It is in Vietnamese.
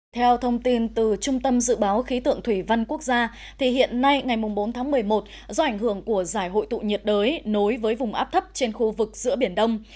theo thông tin từ trung tâm dự báo khí tượng thủy văn quốc gia hiện nay ngày bốn tháng một mươi một do ảnh hưởng của giải hội tụ nhiệt đới nối với vùng áp thấp trên khu vực giữa biển đông